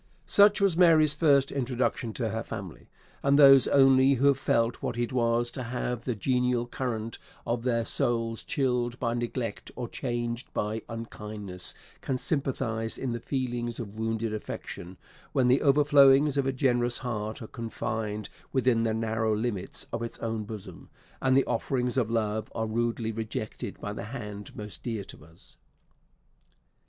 Such was Mary's first introduction to her family; and those only who have felt what it was to have the genial current of their souls chilled by neglect or changed by unkindness can sympathise in the feelings of wounded affection when the overflowings of a generous heart are confined within the narrow limits of its own bosom, and the offerings of love are rudely rejected by the hand most dear to us.